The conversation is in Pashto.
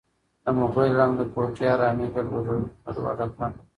د موبایل زنګ د کوټې ارامي ګډوډه کړه.